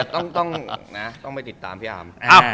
แต่ต้องนะต้องไปติดตามพี่อาม